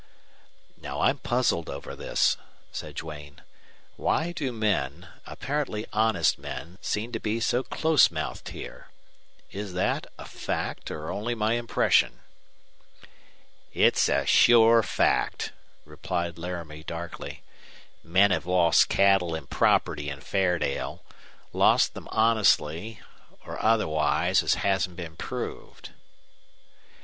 "Now I'm puzzled over this," said Duane. "Why do men apparently honest men seem to be so close mouthed here? Is that a fact, or only my impression?" "It's a sure fact," replied Laramie, darkly. "Men have lost cattle an' property in Fairdale lost them honestly or otherwise, as hasn't been proved.